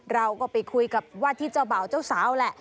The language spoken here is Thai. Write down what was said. เราก็ไปคุยกับว่าที่เจ้าบ่าวเจ้าสาวแหละ